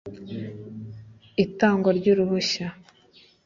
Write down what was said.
itangwa ry'uruhushya